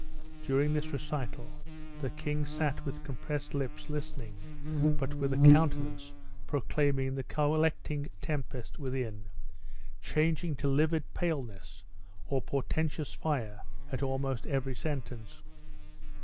During this recital the king sat with compressed lips listening, but with a countenance proclaiming the collecting tempest within changing to livid paleness or portentous fire, at almost every sentence.